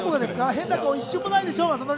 変な顔、一瞬もないでしょ。